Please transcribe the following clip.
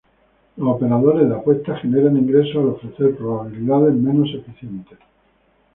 Los operadores de apuestas generan ingresos al ofrecer probabilidades menos eficientes.